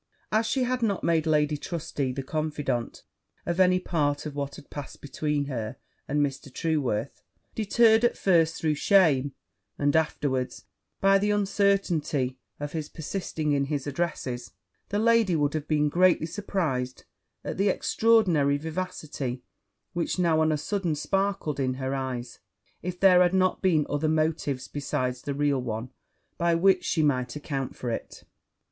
As she had not made Lady Trusty the confidante of any part of what had passed between her and Mr. Trueworth; deterred at first through shame, and afterwards by the uncertainty of his persisting in his addresses, that lady would have been greatly surprized at the extraordinary vivacity which now on a sudden sparkled in her eyes, if there had not been other motives besides the real one by which she might account for it.